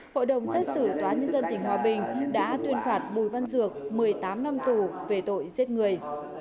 hội đồng xét xử tòa nhân dân tỉnh hòa bình đã tuyên phạt bùi văn dược một mươi tám năm tù về tội giết người